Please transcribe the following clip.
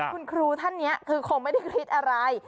คุณครูท่านนี้คือคงไม่ได้คิดอะไร